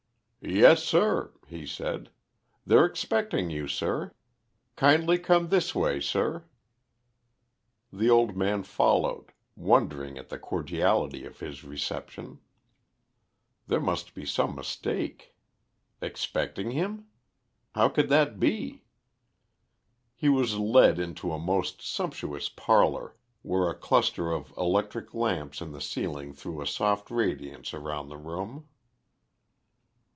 "Yes, sir," he said. "They're expecting you, sir. Kindly come this way, sir." The old man followed, wondering at the cordiality of his reception. There must be some mistake. Expecting him? How could that be! He was led into a most sumptuous parlour where a cluster of electric lamps in the ceiling threw a soft radiance around the room.